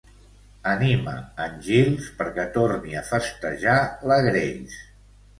Anima en Giles perquè torni a festejar la Grace.